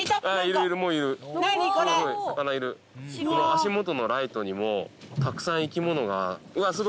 足元のライトにもたくさん生き物が。